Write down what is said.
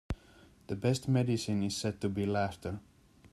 The best medicine is said to be laughter.